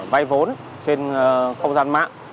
vay bốn trên không gian mạng